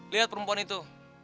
lihat perempuan itu